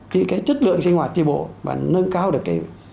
thì cái chất lượng sinh hoạt tri bộ và nâng cao được cái